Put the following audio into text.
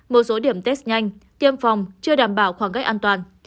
một số điểm test nhanh tiêm phòng chưa đảm bảo khoảng cách an toàn